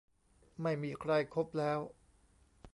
ไม่มีใครคบแล้ว